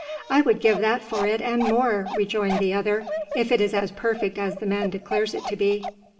"I would give that for it and more," rejoined the other, "if it is as perfect as the man declares it to be."